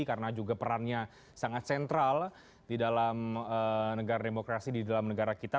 karena juga perannya sangat sentral di dalam negara demokrasi di dalam negara kita